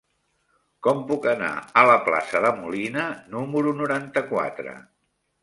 Com puc anar a la plaça de Molina número noranta-quatre?